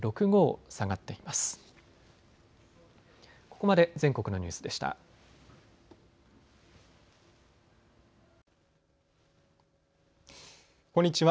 こんにちは。